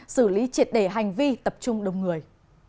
xử lý triệt đề hành vi tập trung đông người